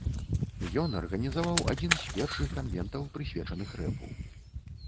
Ён арганізаваў адзін з першых канвентаў, прысвечаных рэпу.